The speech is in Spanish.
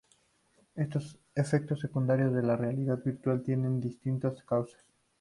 Estos efectos secundarios de la realidad virtual tienen distintas causas.